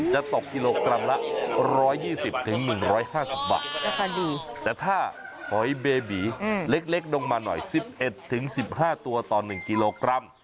จะตกกิโลกรัมละ๑๒๐๑๕๐บาทแต่ถ้าหอยเบบีเล็กลงมาหน่อย๑๑๑๕ตัวต่อ๑กิโลกรัม